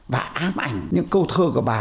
và ám ảnh những câu thơ của bà